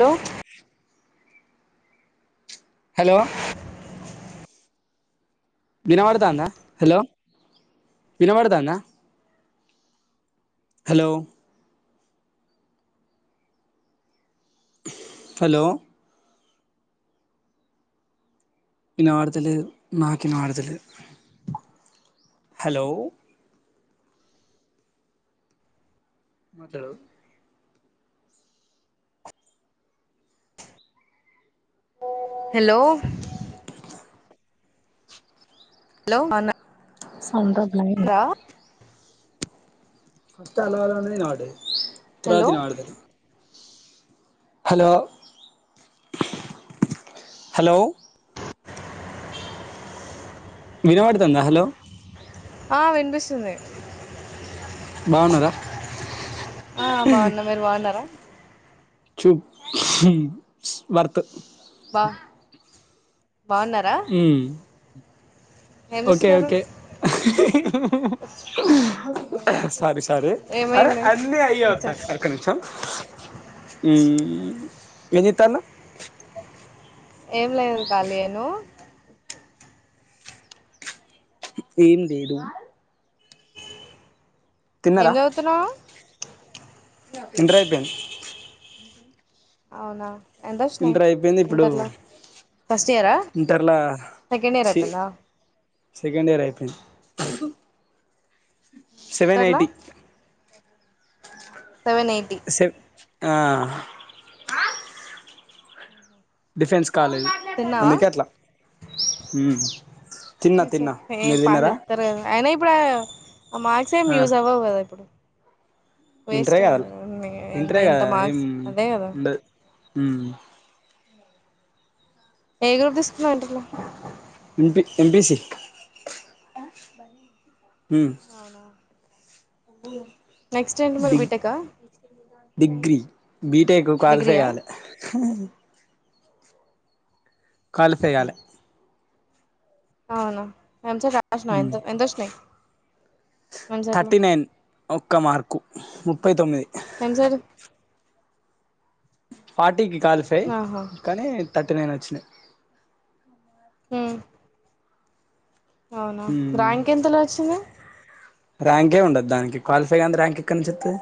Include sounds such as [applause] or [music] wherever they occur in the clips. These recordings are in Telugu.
హలో హలో వినబడతందా హలో వినబడతందా హలో హలో వినబడతలేదు మాట వినబడతలేదు హలో మాతాడు [unintelligible] హలో హలో నా అంత బ్లైన్ [unintelligible] ఫస్ అలవాల నాడు హలో ఇత్తరాతి నా ఆడుద [unintelligible] హలో హలో [inaudible] వినబడుతుందా హలో ఆ వినిపిస్తుంది బాగున్నారా ఆ బాగున్న మీరు బాగున్నారా చు వర్త్ బా బాగున్నారా మ్మ్ ఏం ఓకే చేస్తున్నారు ఓకే సారీ స సరే అరే ఏమైంది అన్నీ అయ్యే టీచర్ వత్తన్నయి ఒక్క నిమిషం ఉం ఏం చేస్తున్నావ్ ఏం లేదు కలి నువు ఏం చేయలే ఏం చదువుతున్నావు ఇంటర్ అయిపోయింది అవునా ఎంత వచ్చినాయి ఇంటర్ అయిపోయింది ఇప్పుడు ఇంటర్లో ఫస్ట్ ఇయరా ఇంటర్లా సెకండ్ ఇయరా చి ఇపోనా సెకండ్ ఇయర్ అయిపోయింది సెవెన్ ఇంటర్లో ఎయిటీ సెవెన్ ఎయిటీ సె ఆ డిఫెన్స్ కాలేజ్ తిన్నావా అందుకేట్లా తిన్నా తిన్నా మీరు తిన్నారా ఇప్పుడ మాక్సిం యూజ్ అవ్వవు కదా ఇప్పుడు ఇంటర్ వేస్ట్ ఏ కాదా ఎంత ఇంటర్ ఏ ఇంత కాద ఏం మార్క్స్ అదే కదా ఉండది. ఉమ్ ఏ గ్రూప్ తీసుకున్నావ్ ఇంటర్లో ఎంపిసి అవునా [unintelligible] నెక్స్ట్ ఏంటి డిగ్ బిటెక్ ఆ డిగ్రీ బీటెక్ క్వాలిఫై డిగ్రీయా అయ్యాలి క్వాలిఫై కాలే అవునా టష్న్నా ఉమ్ ఎంత ఎంతష్న్నా థర్టీ నైన్ ఒక్క మార్కు ముప్పై తొమ్మిది ఎంసెట్ ఫార్టీకి కాలిఫై ఆహా కానీ థర్టీ నైన్ వచ్చినాయి హ్మ్ అవునా మ్మ్ ర్యాంక్ ఎంతలో వచ్చింది ర్యాంకే ఉండదు దానికి క్వాలిఫై అంది ర్యాంక్ ఎక్కడి ను చెప్తే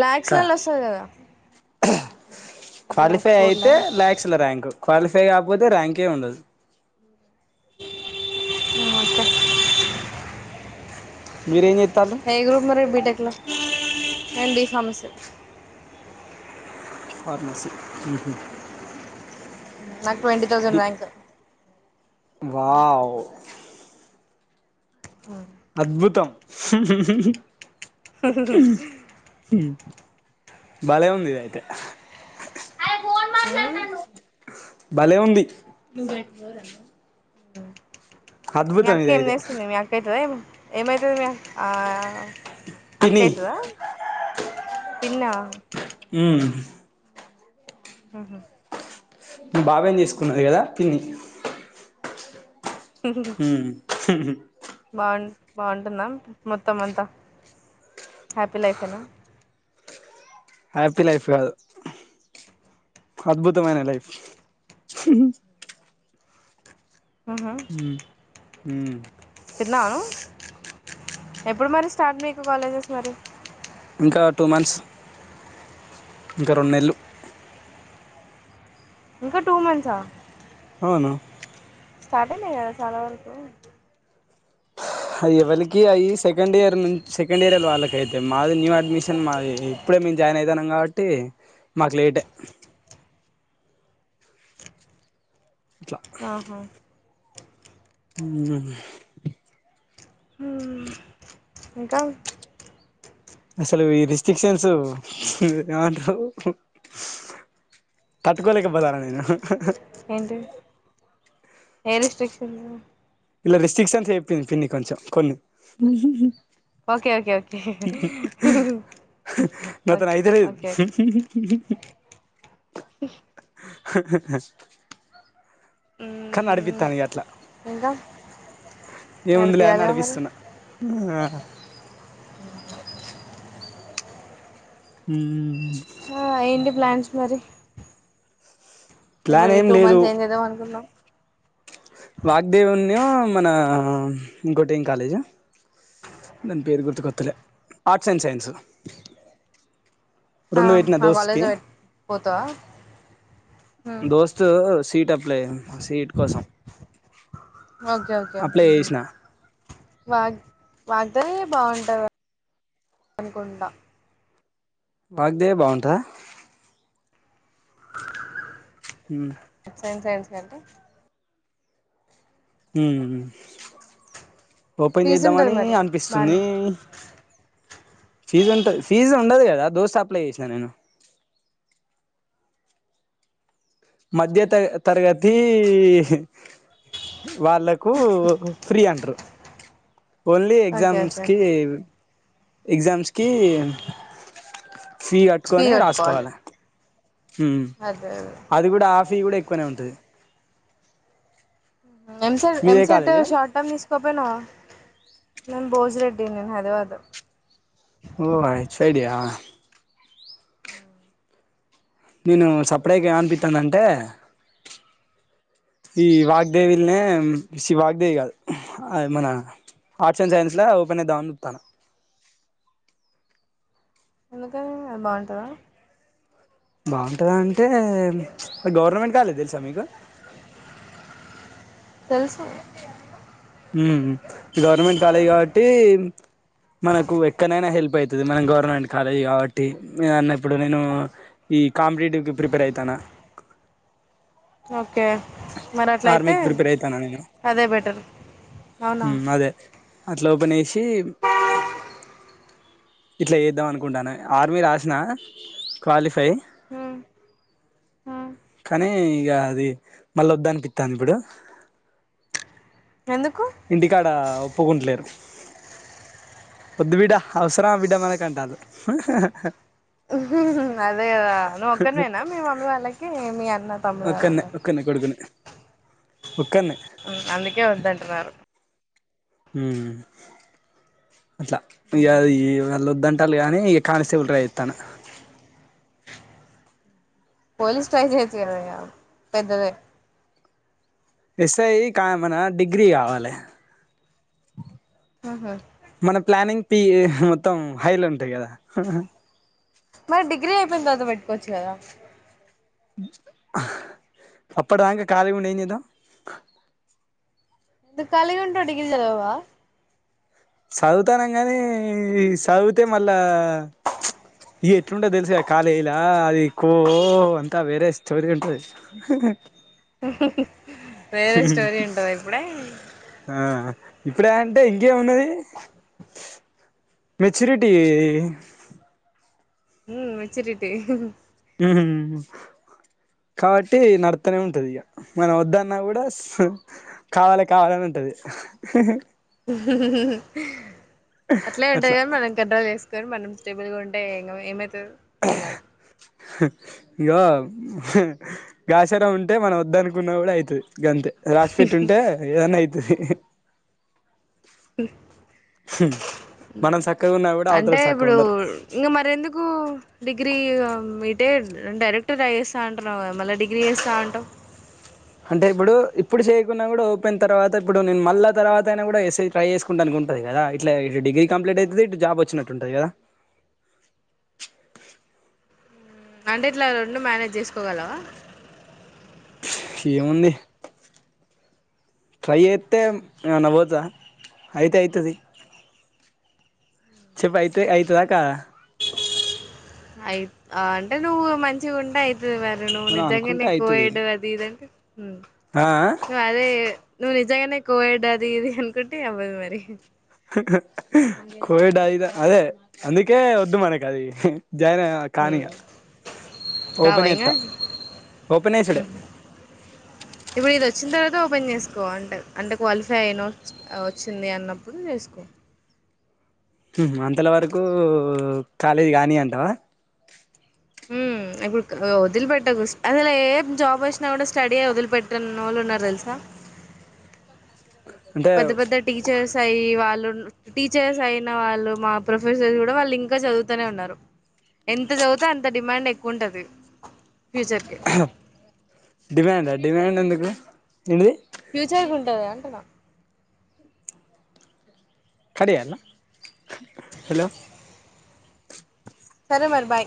లక్షల్లో వస్తుంది కదా అట్లా క్వాలిఫై చూడలే అయితే ల్యాక్స్ల ర్యాంకు క్వాలిఫై కాకపోతే ర్యాంకే ఉండదు [unintelligible] మీరయాని ఏ గ్రూప్ మరి బీటెక్లో అండ్ బి ఫార్మసీ ఫార్మాసి నాకు ట్వంటీ థౌజండ్ బ్యాంక్ వావ్ అద్భుతం బలే ఉందది అయితే అ భలే ఉంది మీ అద్భుతం అక్క ఏం ఇదైతే నేస్తుంది మీ అక్క అవుతుంది ఏ ఏమవుతుంది మీ అక్క పిన్ని అయితుదా పన్న మ్మ్ ఆహా బాబాయ్ తీసుకున్నది కదా పిన్ని హ బాగు బాగుంటుంద మొత్తం అంతా హ్యాపీ లైఫేనా. హ్యాపీ లైఫ్ కాదు అద్భుతమైన లైఫ్ అవునా హ [unintelligible] తిన్నాను ఎప్పుడు మరి స్టార్ట్ మీకు కాలేజెస్ మరి ఇంకా టూ మంత్స్ ఇంకా రెండు నెల్లు ఇంకా టూ మంత్సా అవును స్టార్ట్ అయినాయి కదా చాలా వరకు అది ఎవలికి అయి సెకండ్ ఇయర్ నుంచి సెకండ్ ఇయర్ వాళ్ళకైతే మాది న్యూ అడ్మిషన్ మా ఇప్పుడే నేన్‌ జాయిన్ అయితానంకాబట్టి మాకు లేటె ట్లా ఆహా ఊమ్మ్ ఉ ఇంకా అసలు ఈ రిస్ట్రిక్షన్స్ ఏమంటవ్ తట్కోలేకపోతన్న నేను ఏంటిది ఏ రిస్ట్రిక్షన్ ఇలా రిస్ట్రిక్షన్ చెప్పింది పిన్ని కొంచెం కొన్ని ఓకే ఓకే ఓకే నాతోని ఓకే అయిత లేద్ ఓకే [inaudible] హా హా హా కానీ ఉమ్ నడిపిత్తనిగ అట్లా ఇంకా మరి ఏముంది లే అని తీయాలిగా మరి నడిపిస్తున్నా [inaudible] హుహ్మ్ ఆ ఏంటి ప్లాన్స్ మరి ఇప్పుడు ఈ టూ మంత్స్ ఏం చేద్దాం అనుకున్నాం వాగ్దేవిన్ను మన ఇంకోటి ఏం కాలేజ్ దాన్ పేరు గుర్తుకత్తలే ఆర్ట్స్ అండ్ సైన్సు ఆ మా కాలేజ్ పెట్ పోతావా ఉమ్, దోస్తు సీట్ అప్లై సీట్ కోసం ఓకే ఓకే అప్లై చేసిన వా వాగ్దేవి బాగుంటది అనుకుంటా వాగ్దేవి బాగుంటాదా ఉ సైన్ సైన్స్ కంటే ఉ ఓపన్ ఫీజు ఉంటది చేద్దామని మరి అనిపిస్తుంది బానే ఫీజు ఉంటది ఫీజు ఉండదు కదా దోస్త్ అప్లై చేసినా నేను మధ్య త తరగతి వాళ్ళకు ఫ్రీ అంటరు ఓన్లీ ఓకే ఎగ్జామ్స్ ఓకే కి ఓకే ఎగ్జామ్స్ కి ఫీ కట్టుకొని రాసుకోవాలి హు అదే అదే అది కూడా ఆఫీ కూడా ఎక్కువనే ఉంటది ఎంసెట్ మీదే ఎంసెట్ కాలేజు షార్ట్ టర్మ్ తీ సప్పేనా నేను భోజ్ రెడ్డి నేను హైదరాబాదు ఓ ఇట్ సైడియా నేను సప్డేక ఏం అనిపిత్తందంటే ఈ వాగ్దేవిల్నే చి వాగ్దేవి కాదు మన ఆర్ట్స్ అండ్ సైన్స్ ఓపనిద్దామని చూత్తన్న [inaudible] ఎందుకది బాగుంటందా బాగుంటంద అంటే గవర్నమెంట్ కాలే తెలుసా మీకు తెలుసు ఉ గవర్నమెంట్ కాలేజ్ కాబట్టి మనకు ఎక్కనైనా హెల్ప్ అవుతుది మన గవర్నమెంట్ కాలేజీ కాబట్టి న అన్నప్పుడు నేను ఈ కాంపిటీటివ్ ప్రిపేర్ అవుతానా హు ఓకే మరి అట్లయితే ఆర్మీకి ప్రిపేర్ అయితానా నేను అదే బెటర్ అవునా అదే అట్ ఓపెన్ వేసి ఇట్లా చేద్దాం అనుకుంటాను ఆర్మీ రాసిన క్వాలిఫై ఆ కానీ ఇక అది మళ్ళ వద్దనిపిస్తాను ఇప్పుడు ఎందుకు ఇంటికాడ ఒప్పుకుంటలేరు ఓద్దు బిడ అవసరమా బిడ మన అంటారు అదే నువ్క్కనేనా మీ మమ్మీ వాళ్ళకి మి అన్నవాళ్ళకి ఒక్కడే ఒక్కడే కొడుకున్న అందుకే వద్దంటున్నారు అ అట్లా ఈ వెళ్ళ వద్దంటారు గానీ కానిస్టేబుల్ కీ ట్రై చేస్తాన్న పోలీస్ ట్రై చెయ్యచు కదాయ్యా పెద్దది ఇస్తయి కామనా డిగ్రీ కావాలి ఊహూ మన ప్లానింగ్ పిఉ మొత్తం హైలో ఉంటాయి కదా మరి డిగ్రీ అయిపోయిన తర్వా పెట్టుకోవచ్చు కదా అప్పుడుాంగ కాాల ఉ నయినిదా ఎంత కళ ఉంటావ్ డిగ్రీ చదవవా చదువుతాన గానీ చదివితే మళ్ళా ఇ ఎట్లుంటేతెలుసు కాాలీ ఇలా అది కో అంతా వేరే స్టోరీ ఉంటది ఓక వేరే స్టోరీ ఉంటంద ఇప్పుడే ఆ ఇప్పుడే అంటే ఇంకేమున్నది మెచ్యూరిటీ ఉ వచ్చిటిటి హ కాబట్టి నడతనే ఉంటది ఇక మనం వద్దన్న కూడా కావాలి కావాలని ఉంటుంది అట్లే ఉంటాది అట్లా కానీ మనం కంట్రాల్ వసుకొని మనం స్టేబుల్ గా ఉంటేయి ఏమై ఎం లేదు ఇంకాో గాచర ఉంటే మనం వద్ద అనుకున్న కూడా అవుతుది గంతే రాసీపేట్ ఉంటే ఏదేనా అయితాది హ హ అంటే ఇప్పుడు ఉండరు ఇంకా మరెందుకు డిగ్రీ ఇదే డైరెక్ట్ గా అయ్యేస్తా ఉంటాన్నా మళీ డిగ్రీ చేస్తా ఉంటాం అంటే ఇప్పుడు ఇప్పుడు చేయకున్నాడా కూడా ఓపయిన తర్వాత ఇప్పుడు నేను మళ్ళ తర్వాతయినా కూడా ఎ ట్రై చేసుకుంటను అనుకుంటాను ఉంటది కదా ఇట్లా ఇటు డిగ్రీ కంప్లీట్ అవుతుది ఇటు జాబ్ వచ్చినట్టుంటది కదా హ అంటే ఇట్లా రెండు మేనేజ్ చేసుకోగలవా ఏముంది ట్రై అయితే నావోతా అయితే అయితుది చెప్పు అయితే అయితదా కదా అయి అంటే నువ్వు మంచిగుంటే అవుతుంది వారు నువ్వు మనం అనుకుంటే నిజంగానే అయితది కోవిడ్ అది ఇదంటే ఆ ఆ నువ్ అదే నువు నిజ్ జయనే కోవిడ్ అది ఇది అనుకుంటే అవ్వదు మరి కోవిడ్ అయితే అదే అందుకే వద్దు మనక అది జాయిన్ అయ ఉమ్ కానిగా కావా ఓపన్ ఇంగ యిత్తా ఓపెన్ యేసుడే హుహు. ఇప్పుడు ఇది వచ్చిన తర్వాత ఓపెన్ చేస్త కో అంటరు అంటే క్వాలిఫై అయిన వచ్చింది అన్నప్పుడు చేసుకో అంతల వరకు కాలేజీ కానీ అంటవా హ్మ్ ఇప్పుడు వదిలిపెట్టకు అసలు ఏ జాబ్ వచ్చినా కూడా స్టడీ వదిలిపెట్టనోళ్ళు ఉన్నారు తెలుసా [inaudible] అంటే పెద్ద పెద్ద టీచర్స్ అయి వాళ్ళు టీచర్స్ అయిన వాళ్ళు మా ప్రొఫెసర్స్ కూడా వాళ్ళు ఇంకా చదువుతూనే ఉన్నారు ఎంత చదువుతే అంత డిమాండ్ ఎక్కువుంటది ఫ్యూచర్‌కి. డిమాండ్ డిమాండ్ ఎందుకు ఏంటిది ఫ్యూచర్ కి ఉంటది అంటున్నా హలో సరే మరి బాయ్